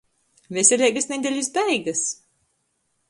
Veseleigys nedelis beigys!